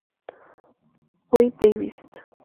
Wade Davis.